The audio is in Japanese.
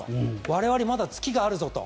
我々、まだツキがあるぞと。